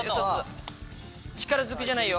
力ずくじゃないよ。